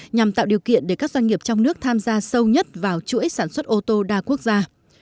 nhằm tạo điều kiện để các doanh nghiệp trong nước tham gia sâu nhất vào chuỗi sản xuất ô tô đa quốc gia